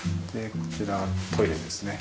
こちらトイレですね。